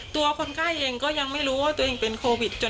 คนไข้เองก็ยังไม่รู้ว่าตัวเองเป็นโควิด